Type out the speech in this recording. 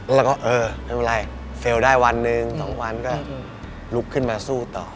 แล้วก็เออไม่เป็นไรเฟลล์ได้วันหนึ่ง๒วันก็ลุกขึ้นมาสู้ต่อ